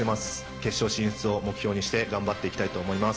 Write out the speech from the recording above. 決勝進出を目標にして、頑張っていきたいと思います。